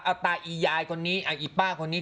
เอาตาอียายคนนี้เอาอีป้าคนนี้